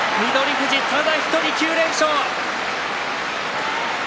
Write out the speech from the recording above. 富士、ただ１人９連勝。